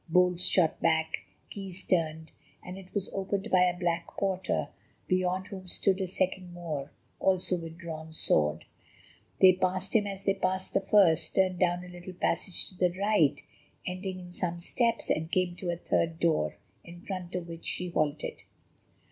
Bolts shot back, keys turned, and it was opened by a black porter, beyond whom stood a second Moor, also with drawn sword. They passed him as they had passed the first, turned down a little passage to the right, ending in some steps, and came to a third door, in front of which she halted.